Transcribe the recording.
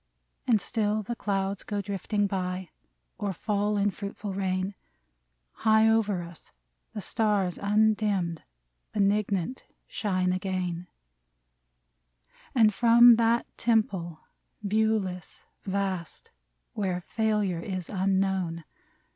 / And still the clouds go drifting by, Or fall in fruitful rain : High over us the stars, undimmed, Benignant shine again ; And from that temple, viewless, vast, Where failure is unknown.